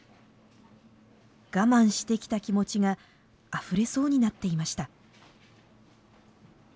我慢してきた気持ちがあふれそうになっていました。